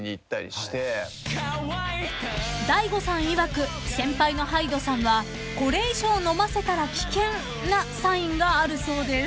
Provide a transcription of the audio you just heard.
［ＤＡＩＧＯさんいわく先輩のＨＹＤＥさんはこれ以上飲ませたら危険なサインがあるそうです］